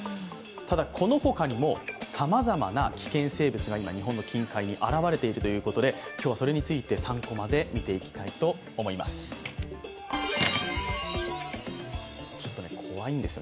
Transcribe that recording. ただこの他にもさまざまな危険生物が今、日本の近海に現れているということで今日はそれについて３コマで見ていきたいと思います。